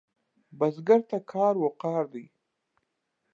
بزګر ته کار وقار دی